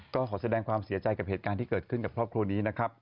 ก็ขอแสดงความเสียใจกับเหตุการณ์ที่เกิดขึ้นกับครอบครัวนี้นะครับ